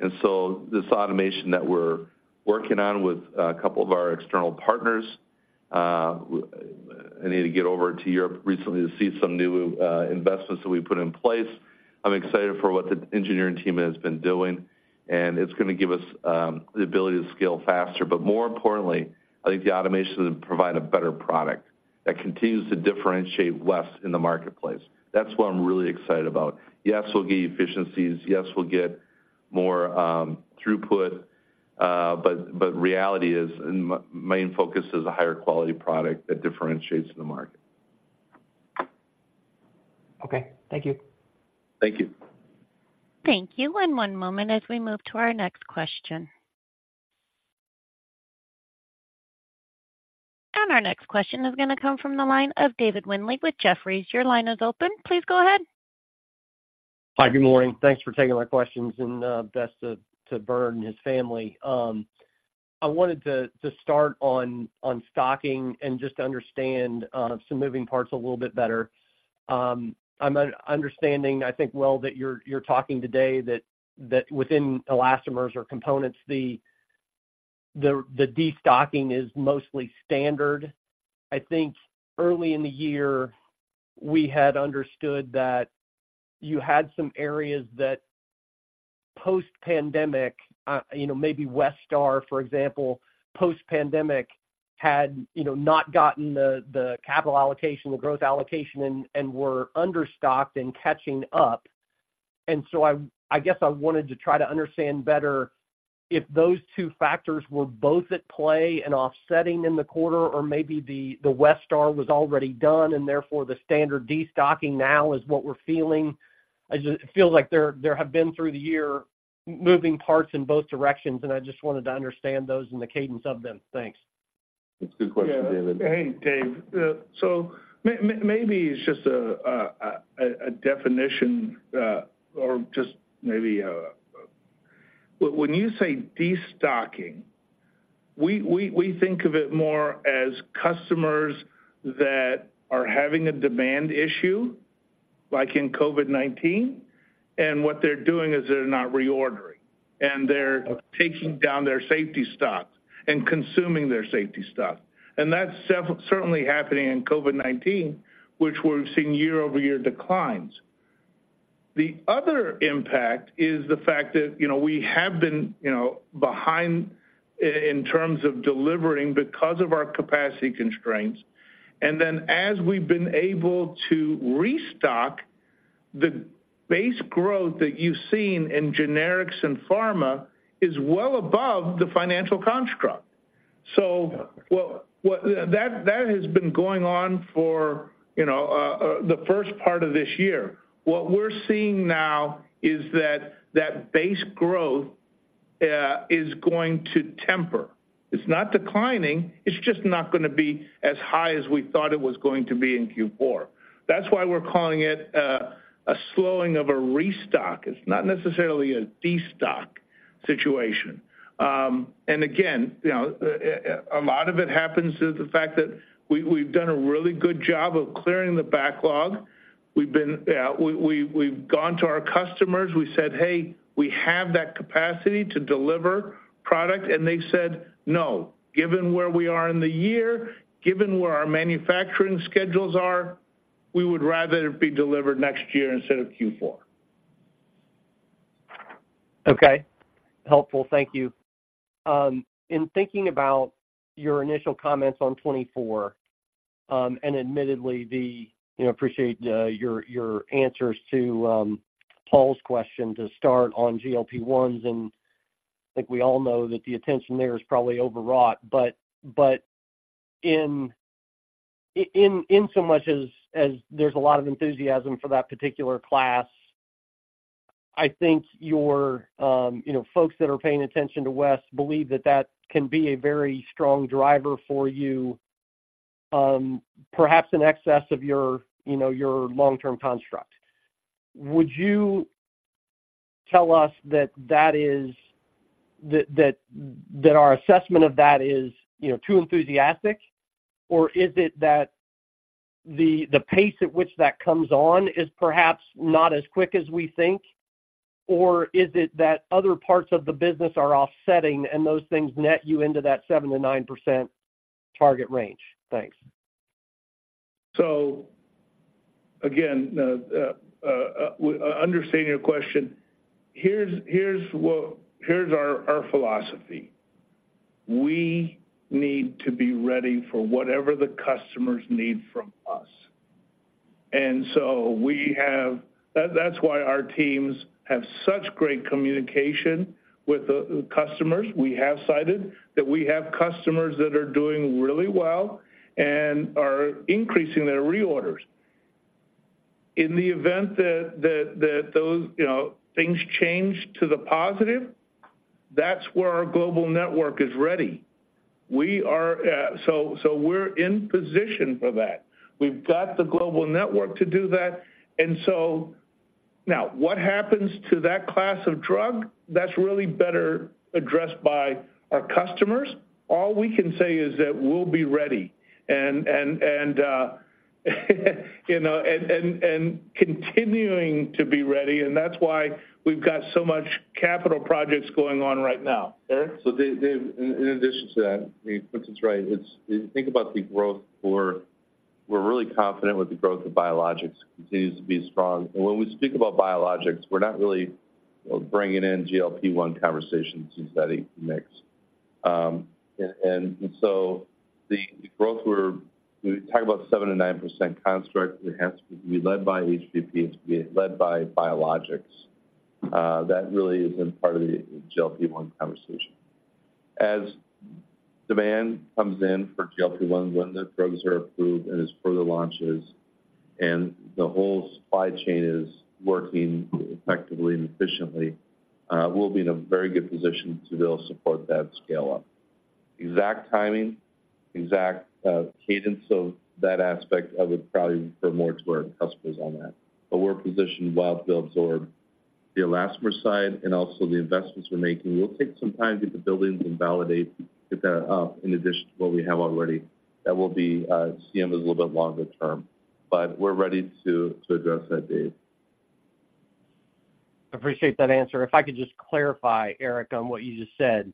This automation that we're working on with a couple of our external partners. I need to get over to Europe recently to see some new investments that we put in place. I'm excited for what the engineering team has been doing, and it's going to give us the ability to scale faster. But more importantly, I think the automation will provide a better product that continues to differentiate West in the marketplace. That's what I'm really excited about. Yes, we'll get efficiencies, yes, we'll get more throughput. But reality is, main focus is a higher quality product that differentiates in the market. Okay. Thank you. Thank you. Thank you. One moment as we move to our next question. Our next question is gonna come from the line of David Windley with Jefferies. Your line is open. Please go ahead. Hi, good morning. Thanks for taking my questions, and best to Bernard and his family. I wanted to start on stocking and just to understand some moving parts a little bit better. I'm understanding, I think, well, that you're talking today that within elastomers or components, the destocking is mostly standard. I think early in the year, we had understood that you had some areas that post-pandemic, you know, maybe Westar, for example, post-pandemic had, you know, not gotten the capital allocation, the growth allocation, and were understocked and catching up. And so I guess I wanted to try to understand better if those two factors were both at play and offsetting in the quarter, or maybe the Westar was already done, and therefore, the standard destocking now is what we're feeling. I just. It feels like there have been through the year, moving parts in both directions, and I just wanted to understand those and the cadence of them. Thanks. It's a good question, David. Yeah. Hey, Dave. So maybe it's just a definition or just maybe, when you say destocking, we think of it more as customers that are having a demand issue, like in COVID-19, and what they're doing is they're not reordering, and they're taking down their safety stocks and consuming their safety stock. And that's certainly happening in COVID-19, which we're seeing year-over-year declines. The other impact is the fact that, you know, we have been, you know, behind in terms of delivering because of our capacity constraints. And then as we've been able to restock, the base growth that you've seen in generics and pharma is well above the financial construct. So what. That has been going on for, you know, the first part of this year. What we're seeing now is that base growth is going to temper. It's not declining, it's just not gonna be as high as we thought it was going to be in Q4. That's why we're calling it a slowing of a restock. It's not necessarily a destock situation. And again, you know, a lot of it happens is the fact that we've done a really good job of clearing the backlog. We've been, we've gone to our customers, we said, "Hey, we have that capacity to deliver product," and they said, "No, given where we are in the year, given where our manufacturing schedules are, we would rather it be delivered next year instead of Q4. Okay. Helpful. Thank you. In thinking about your initial comments on 2024, and admittedly, you know, I appreciate your answers to Paul's question to start on GLP-1s, and I think we all know that the attention there is probably overwrought. But in so much as there's a lot of enthusiasm for that particular class, I think you know, folks that are paying attention to West believe that that can be a very strong driver for you, perhaps in excess of your you know, your long-term construct. Would you tell us that that is, that our assessment of that is, you know, too enthusiastic? Or is it that the pace at which that comes on is perhaps not as quick as we think? Or is it that other parts of the business are offsetting, and those things net you into that 7%-9% target range? Thanks. So again, understanding your question, here's what: here's our philosophy: We need to be ready for whatever the customers need from us. And so we have. That's why our teams have such great communication with the customers. We have cited that we have customers that are doing really well and are increasing their reorders. In the event that those, you know, things change to the positive, that's where our global network is ready. We are. So we're in position for that. We've got the global network to do that, and so now, what happens to that class of drug? That's really better addressed by our customers. All we can say is that we'll be ready and, you know, continuing to be ready, and that's why we've got so much capital projects going on right now. Eric? So, in addition to that, I mean, Quintin's right. It's, if you think about the growth, we're really confident with the growth of biologics, continues to be strong. And when we speak about biologics, we're not really bringing in GLP-1 conversations into that mix. And so the growth we talk about 7%-9% construct, it has to be led by HVP, it has to be led by biologics. That really isn't part of the GLP-1 conversation. As demand comes in for GLP-1, when the drugs are approved and as further launches, and the whole supply chain is working effectively and efficiently, we'll be in a very good position to be able to support that scale-up. Exact timing, exact cadence of that aspect, I would probably refer more to our customers on that. But we're positioned well to absorb the elastomer side and also the investments we're making. We'll take some time to get the buildings and validate, get that up in addition to what we have already. That will be, CM is a little bit longer term, but we're ready to address that, Dave. I appreciate that answer. If I could just clarify, Eric, on what you just said.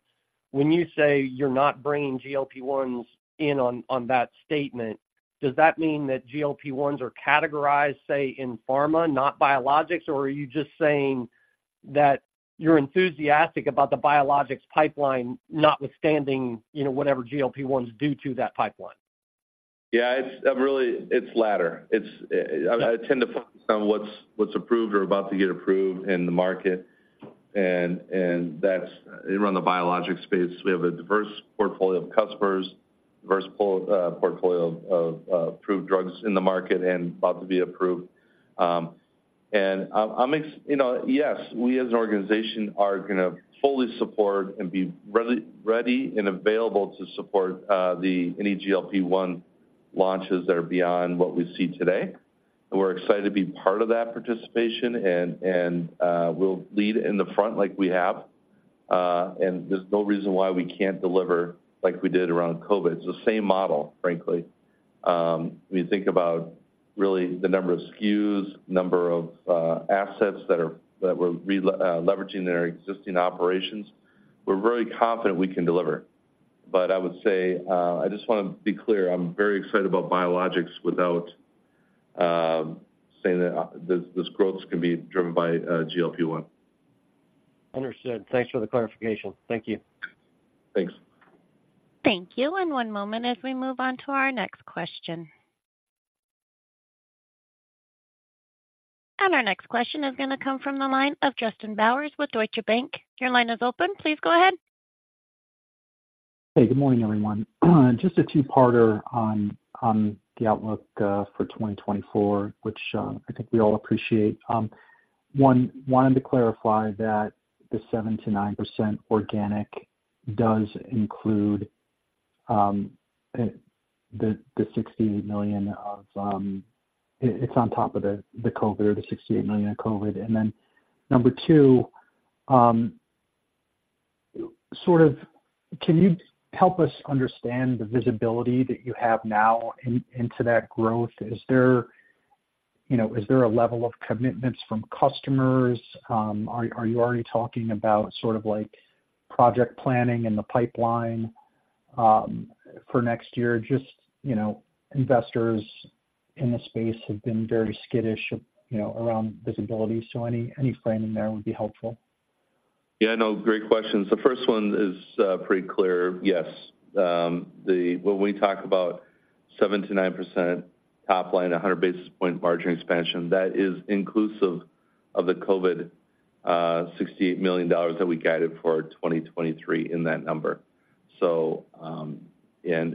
When you say you're not bringing GLP-1s in on that statement, does that mean that GLP-1s are categorized, say, in pharma, not biologics? Or are you just saying that you're enthusiastic about the biologics pipeline, notwithstanding, you know, whatever GLP-1s do to that pipeline? Yeah, it's really, it's latter. It's, I tend to focus on what's, what's approved or about to get approved in the market, and, and that's around the biologic space. We have a diverse portfolio of customers, diverse portfolio of approved drugs in the market and about to be approved. And you know, yes, we as an organization are going to fully support and be ready, ready and available to support the any GLP-1 launches that are beyond what we see today. And we're excited to be part of that participation, and, and, we'll lead in the front like we have. And there's no reason why we can't deliver like we did around COVID. It's the same model, frankly. When you think about really the number of SKUs, number of assets that we're leveraging their existing operations, we're very confident we can deliver. But I would say, I just want to be clear, I'm very excited about biologics without saying that this growth can be driven by GLP-1. Understood. Thanks for the clarification. Thank you. Thanks. Thank you. And one moment as we move on to our next question. And our next question is going to come from the line of Justin Bowers with Deutsche Bank. Your line is open. Please go ahead. Hey, good morning, everyone. Just a two-parter on the outlook for 2024, which I think we all appreciate. One, wanted to clarify that the 7%-9% organic does include the $68 million. It's on top of the COVID or the $68 million in COVID. And then number two, sort of, can you help us understand the visibility that you have now into that growth? Is there, you know, is there a level of commitments from customers? Are you already talking about sort of like project planning in the pipeline for next year? Just, you know, investors in the space have been very skittish around visibility, so any framing there would be helpful. Yeah, no, great questions. The first one is pretty clear. Yes, when we talk about 7%-9% top line, 100 basis point margin expansion, that is inclusive of the COVID $68 million that we guided for 2023 in that number. So, and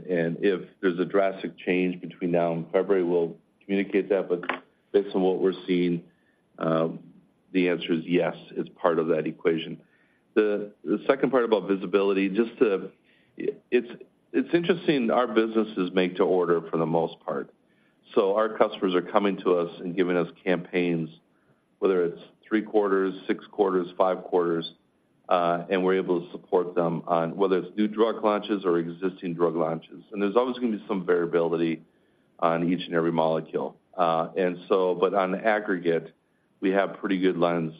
if there's a drastic change between now and February, we'll communicate that. But based on what we're seeing, the answer is yes, it's part of that equation. The second part about visibility, just to... It's interesting, our business is made to order for the most part. So our customers are coming to us and giving us campaigns, whether it's three quarters, six quarters, five quarters, and we're able to support them on whether it's new drug launches or existing drug launches. And there's always going to be some variability on each and every molecule. And so, but on aggregate, we have pretty good lens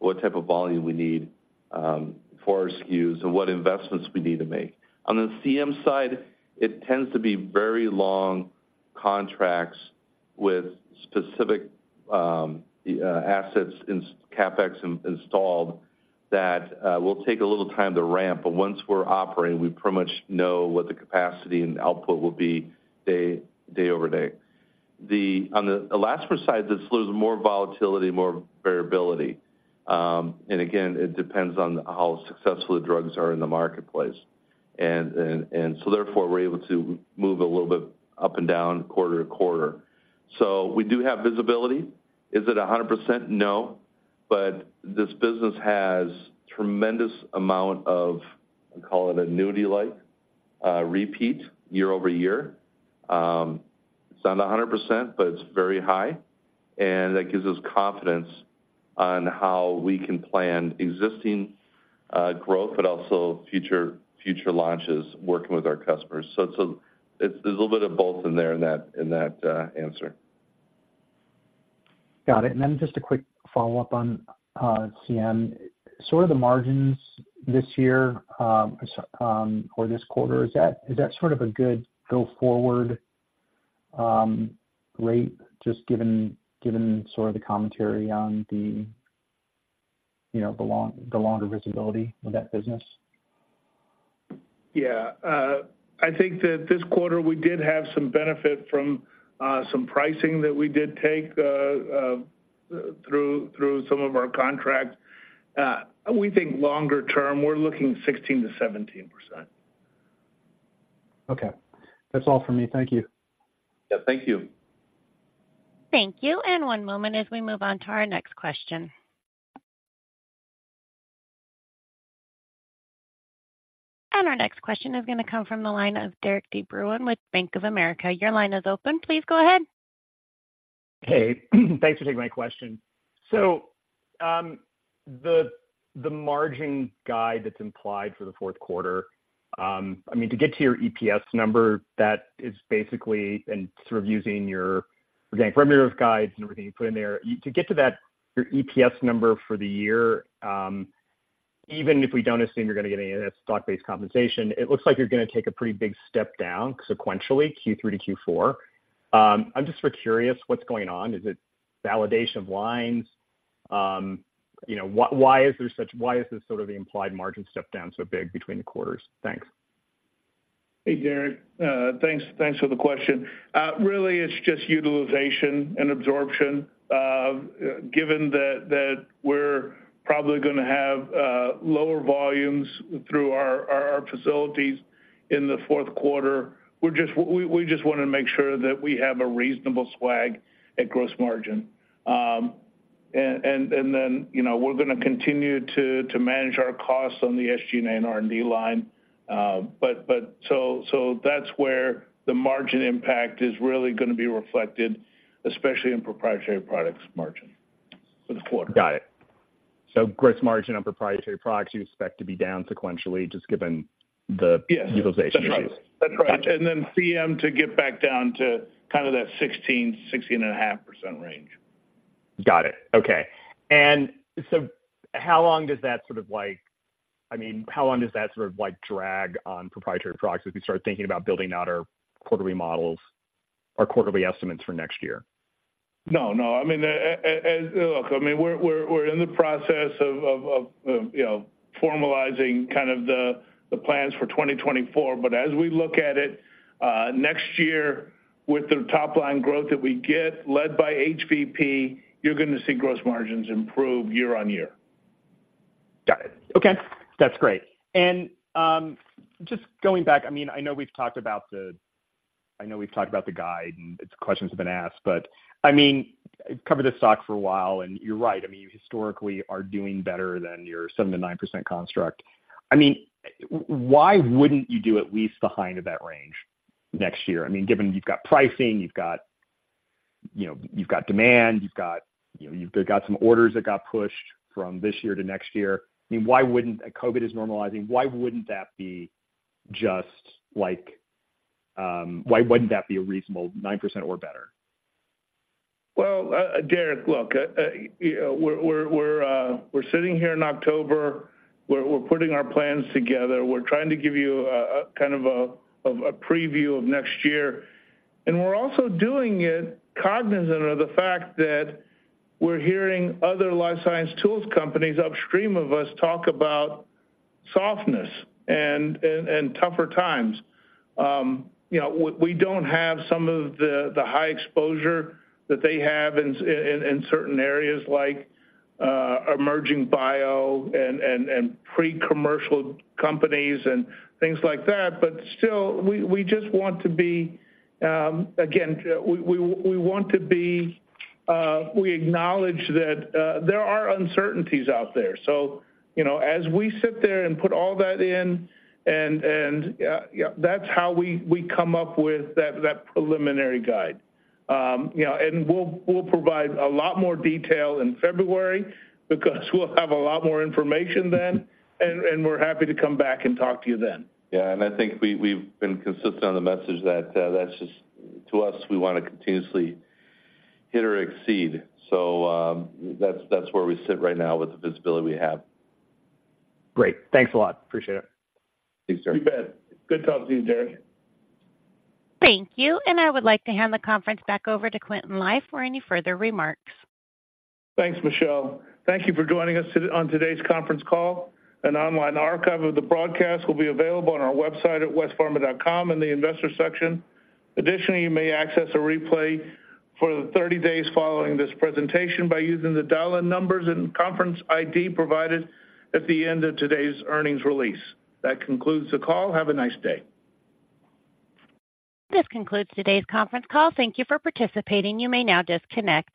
what type of volume we need for our SKUs and what investments we need to make. On the CM side, it tends to be very long contracts with specific assets in CapEx installed that will take a little time to ramp, but once we're operating, we pretty much know what the capacity and output will be day over day. On the elastomer side, this leaves more volatility, more variability. And again, it depends on how successful the drugs are in the marketplace. And so therefore, we're able to move a little bit up and down quarter to quarter. So we do have visibility. Is it 100%? No. This business has tremendous amount of, I call it, annuity-like repeat year over year. It's not 100%, but it's very high, and that gives us confidence on how we can plan existing growth, but also future launches working with our customers. So there's a little bit of both in there in that answer. Got it. And then just a quick follow-up on CM. Sort of the margins this year, or this quarter, is that, is that sort of a good go-forward? rate, just given sort of the commentary on the, you know, the long, the longer visibility of that business? Yeah. I think that this quarter, we did have some benefit from some pricing that we did take through some of our contracts. We think longer term, we're looking 16%-17%. Okay. That's all for me. Thank you. Yeah, thank you. Thank you. And one moment as we move on to our next question. And our next question is going to come from the line of Derik De Bruin with Bank of America. Your line is open. Please go ahead. Hey, thanks for taking my question. So, the margin guide that's implied for the fourth quarter, I mean, to get to your EPS number, that is basically and sort of using your organic parameter guidance and everything you put in there, to get to that, your EPS number for the year, even if we don't assume you're going to get any of that stock-based compensation, it looks like you're going to take a pretty big step down sequentially, Q3 to Q4. I'm just curious what's going on. Is it validation of lines? You know, why is there such a big implied margin step down between the quarters? Thanks. Hey, Derik. Thanks, thanks for the question. Really, it's just utilization and absorption. Given that we're probably gonna have lower volumes through our facilities in the fourth quarter, we just wanna make sure that we have a reasonable swag at gross margin. And then, you know, we're gonna continue to manage our costs on the SG&A and R&D line. But so that's where the margin impact is really gonna be reflected, especially in proprietary products margin for the quarter. Got it. So gross margin on proprietary products, you expect to be down sequentially, just given the- Yes - Utilization issues? That's right. That's right. And then CM to get back down to kind of that 16%-16.5% range. Got it. Okay. And so how long does that sort of like... I mean, how long does that sort of, like, drag on proprietary products as we start thinking about building out our quarterly models, our quarterly estimates for next year? No, no, I mean, look, I mean, we're in the process of you know formalizing kind of the plans for 2024, but as we look at it, next year, with the top line growth that we get, led by HVP, you're gonna see gross margins improve year on year. Got it. Okay, that's great. And, just going back, I mean, I know we've talked about the guide, and its questions have been asked, but, I mean, I've covered this stock for a while, and you're right. I mean, why wouldn't you do at least the high end of that 7%-9% construct next year? I mean, given you've got pricing, you've got, you know, you've got demand, you've got, you know, you've got some orders that got pushed from this year to next year. I mean, why wouldn't COVID is normalizing, why wouldn't that be just like, Why wouldn't that be a reasonable 9% or better? Well, Derik, look, you know, we're sitting here in October. We're putting our plans together. We're trying to give you kind of a preview of next year, and we're also doing it cognizant of the fact that we're hearing other life science tools companies upstream of us talk about softness and tougher times. You know, we don't have some of the high exposure that they have in certain areas, like emerging bio and pre-commercial companies and things like that. But still, we just want to be, again, we want to be, we acknowledge that there are uncertainties out there. So, you know, as we sit there and put all that in, and yeah, that's how we come up with that preliminary guide. You know, we'll provide a lot more detail in February because we'll have a lot more information then, and we're happy to come back and talk to you then. Yeah, and I think we've been consistent on the message that that's just, to us, we wanna continuously hit or exceed. So, that's where we sit right now with the visibility we have. Great. Thanks a lot. Appreciate it. Thanks, Derik. You bet. Good talking to you, Derik. Thank you, and I would like to hand the conference back over to Quintin Lai for any further remarks. Thanks, Michelle. Thank you for joining us today on today's conference call. An online archive of the broadcast will be available on our website at westpharma.com in the Investors section. Additionally, you may access a replay for the 30 days following this presentation by using the dial-in numbers and conference ID provided at the end of today's earnings release. That concludes the call. Have a nice day. This concludes today's conference call. Thank you for participating. You may now disconnect.